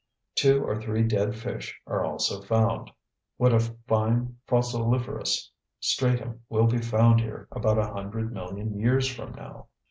Two or three dead fish are also found. What a fine fossiliferous stratum will be found here about a hundred million years from now!